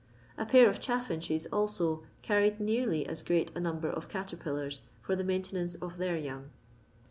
A pair of chaffinches, also, carried nearly as great a number of caterpiUars for the maintenance of their young.